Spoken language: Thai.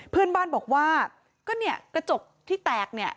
เพื่อนบ้านบอกว่าก็เนี่ยกระจกที่แตกเนี่ย